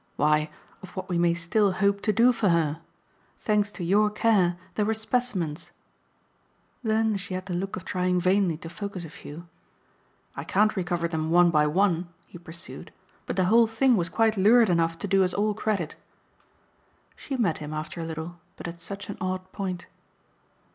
"Why, of what we may still hope to do for her. Thanks to your care there were specimens." Then as she had the look of trying vainly to focus a few, "I can't recover them one by one," he pursued, "but the whole thing was quite lurid enough to do us all credit." She met him after a little, but at such an odd point.